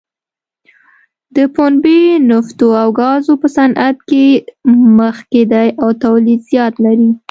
د پنبې، نفتو او ګازو په صنعت کې مخکې دی او تولید زیات لري.